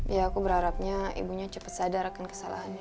ya aku berharapnya ibunya cepat sadar akan kesalahannya